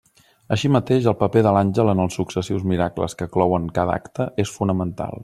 Així mateix, el paper de l'àngel en els successius miracles que clouen cada acte és fonamental.